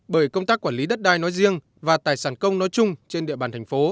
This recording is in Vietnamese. bởi công tác quản lý đất đai nói riêng và tài sản công nói chung trên địa bàn thành phố